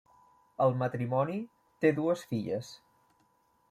El matrimoni té dues filles.